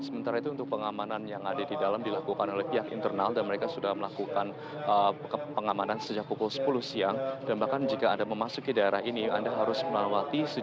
ketika itu ledakan bom menewaskan seorang anak dan melukai tiga anak lain